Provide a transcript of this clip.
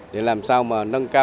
để làm sao mà nâng cao